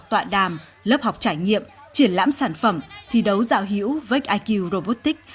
tọa đàm lớp học trải nghiệm triển lãm sản phẩm thi đấu dạo hiểu với iq robotics